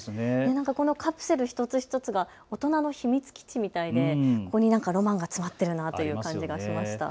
このカプセル一つ一つが大人の秘密基地みたいでここにロマンが詰まってるなと感じがしました。